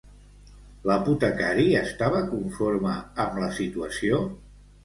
L'apotecari estava conforme amb la situació?